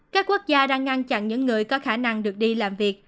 các quốc gia đang ngăn chặn những người có khả năng được đi làm việc